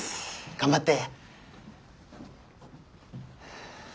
頑張って！